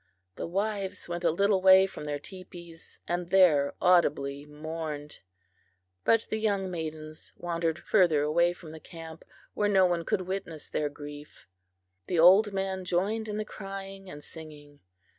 The wives went a little way from their teepees and there audibly mourned; but the young maidens wandered further away from the camp, where no one could witness their grief. The old men joined in the crying and singing.